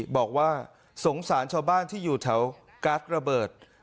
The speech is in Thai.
บอกว่าสงสารชาวบ้านที่อยู่แถวการ์ดระเบิด